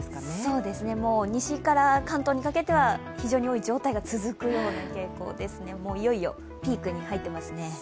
そうですね、西から関東にかけては非常に多い状態が続くような傾向ですね、もういよいよピークに入ってますね。